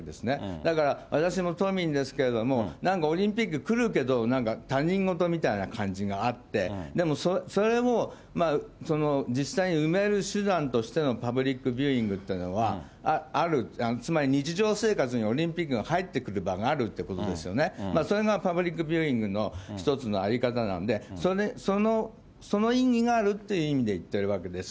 だから、私も都民ですけれども、なんかオリンピック来るけれども、なんか他人事みたいな感じがあって、でも、それも自治体にうめる手段としてのパブリックビューイングってのはある、つまり日常生活にオリンピックが入ってくる場があるっていうことですよね、それがパブリックビューイングの一つの在り方なので、その意義があるっていう意味で言ってるわけです。